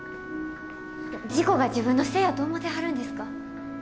事故が自分のせいやと思てはるんですか？